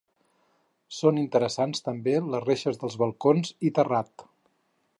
Són interessants també les reixes dels balcons i terrat.